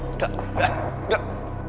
enggak enggak enggak